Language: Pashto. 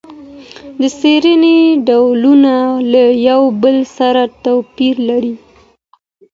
د څېړني ډولونه له یو بل سره توپیر لري.